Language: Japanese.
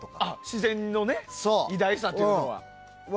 自然の偉大さというのは。